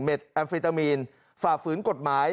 เม็ดแอลเฟทามีนฝ่าฝืนกฎหมาย